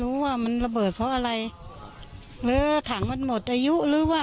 หนูก็ไม่รู้ว่ามันเบิดเพราะอะไรเลยทางมันหมดอายุหรือว่า